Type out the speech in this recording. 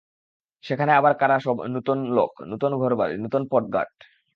সেখানে আবার কারা সব নূতন লোক, নূতন ঘরবাড়ি, নূতন পথঘাট।